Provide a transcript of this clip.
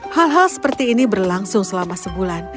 hal hal seperti ini berlangsung selama sebulan